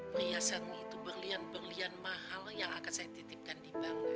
perhiasan itu berlian berlian mahal yang akan saya titipkan di bank